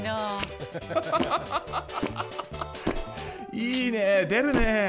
いいね出るね。